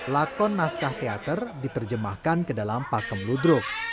lakon naskah teater diterjemahkan ke dalam pakem ludruk